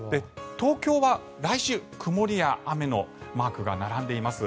東京は来週、曇りや雨のマークが並んでいます。